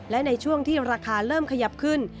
และในช่วงที่ราคาเริ่มขยับขึ้น